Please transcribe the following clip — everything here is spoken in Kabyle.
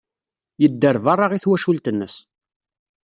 Yedder beṛṛa i twacult-nnes.